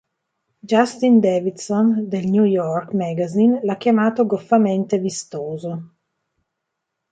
Justin Davidson del "New York" magazine l'ha chiamato "goffamente vistoso".